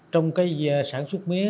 trong cái sản xuất mía